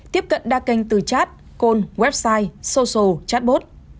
tiếp cận đa kênh từ chat call website social chathbot